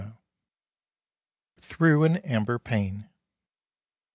_ Through an Amber Pane.